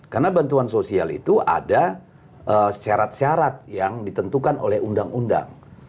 karena bantuan sosial itu ada syarat syarat yang ditentukan oleh undang undang